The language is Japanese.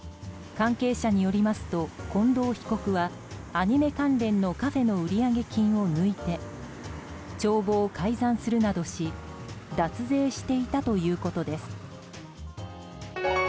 関係者によりますと近藤被告はアニメ関連のカフェの売上金を抜いて帳簿を改ざんするなどし脱税していたということです。